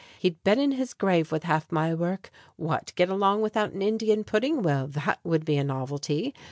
He'd been in his grave With half my work. What, get along without An Indian pudding? Well, that would be A novelty.